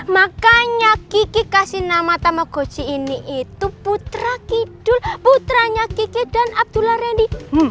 makanya kiki kasih nama tamagotchi ini itu putra kidul putranya kiki dan abdullah randy